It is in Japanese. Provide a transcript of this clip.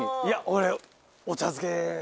いや俺お茶漬け。